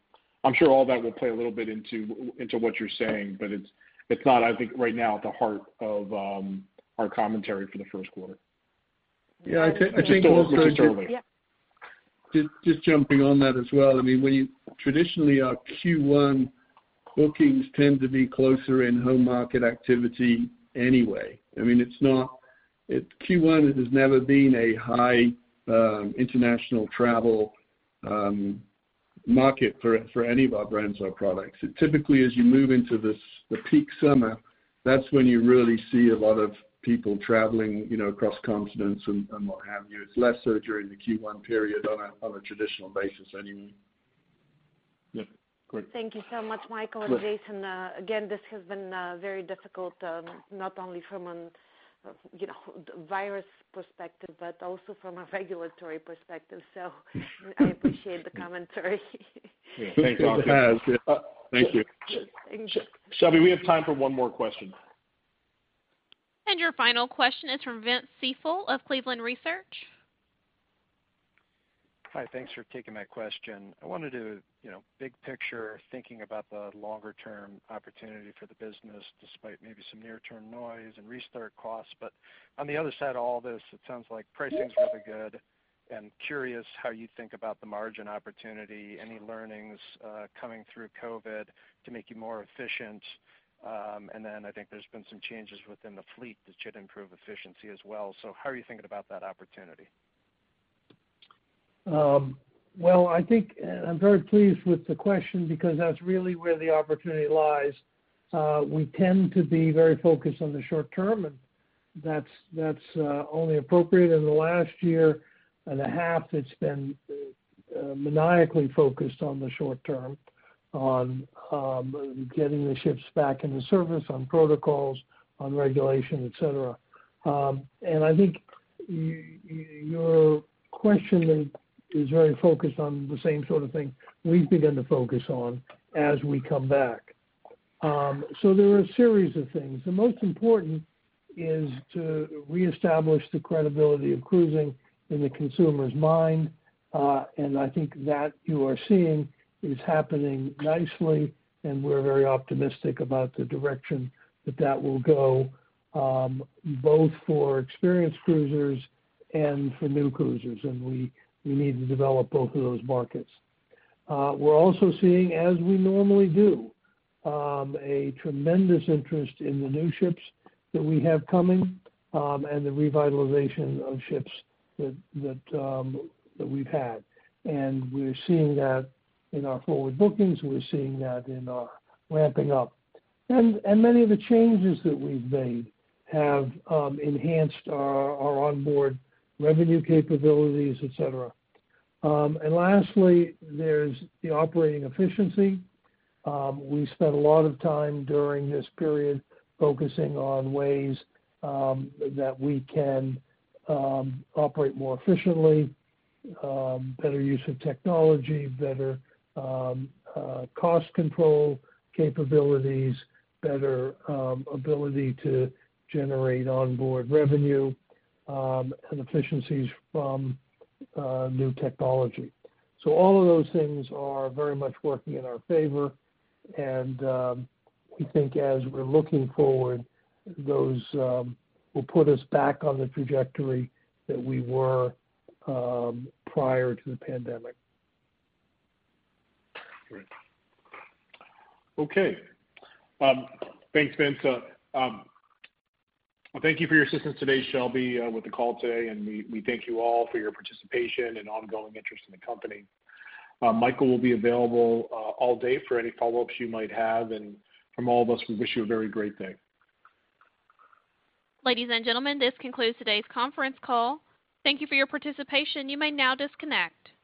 I'm sure all that will play a little bit into what you're saying, but it's not, I think, right now at the heart of our commentary for the first quarter. Yeah, I think also just Just jumping on that as well. Traditionally our Q1 bookings tend to be closer in home market activity anyway. Q1 has never been a high international travel market for any of our brands or products. Typically, as you move into this peak summer, that's when you really see a lot of people traveling across continents and what have you. It's less so during the Q1 period on a traditional basis anyway. Yeah. Go ahead. Thank you so much, Michael and Jason. Again, this has been very difficult, not only from a virus perspective, but also from a regulatory perspective. I appreciate the commentary. Thanks, Assia. It has, yeah. Thank you. Thank you. Shelby, we have time for one more question. Your final question is from Vince Ciepiel of Cleveland Research. Hi. Thanks for taking my question. I wanted to big picture thinking about the longer-term opportunity for the business, despite maybe some near-term noise and restart costs. On the other side of all this, it sounds like pricing's really good. I'm curious how you think about the margin opportunity, any learnings coming through COVID to make you more efficient. Then I think there's been some changes within the fleet that should improve efficiency as well. How are you thinking about that opportunity? I think I'm very pleased with the question because that's really where the opportunity lies. We tend to be very focused on the short term, and that's only appropriate. In the last year and a half, it's been maniacally focused on the short term, on getting the ships back into service, on protocols, on regulation, et cetera. I think your question is very focused on the same sort of thing we've begun to focus on as we come back. There are a series of things. The most important is to reestablish the credibility of cruising in the consumer's mind. I think that you are seeing is happening nicely, and we're very optimistic about the direction that that will go, both for experienced cruisers and for new cruisers. We need to develop both of those markets. We're also seeing, as we normally do, a tremendous interest in the new ships that we have coming, and the revitalization of ships that we've had. We're seeing that in our forward bookings. We're seeing that in our ramping up. Many of the changes that we've made have enhanced our onboard revenue capabilities, et cetera. Lastly, there's the operating efficiency. We spent a lot of time during this period focusing on ways that we can operate more efficiently, better use of technology, better cost control capabilities, better ability to generate onboard revenue, and efficiencies from new technology. All of those things are very much working in our favor, and we think as we're looking forward, those will put us back on the trajectory that we were prior to the pandemic. Great. Okay. Thanks, Vince. Thank you for your assistance today, Shelby, with the call today, and we thank you all for your participation and ongoing interest in the company. Michael will be available all day for any follow-ups you might have, and from all of us, we wish you a very great day. Ladies and gentlemen, this concludes today's conference call. Thank you for your participation. You may now disconnect.